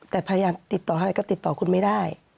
แต่พยายามติดต่อให้ก็ติดต่อคุณไม่ได้